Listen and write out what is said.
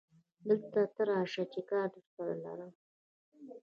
دلته ته راشه چې کار درسره لرم